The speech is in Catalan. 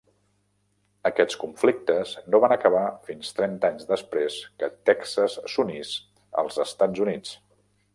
Aquests conflictes no van acabar fins trenta anys després que Texas s'unís als Estats Units.